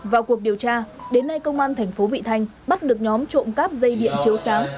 vào cuộc điều tra đến nay công an thành phố vị thanh bắt được nhóm trộm cắp dây điện chiếu sáng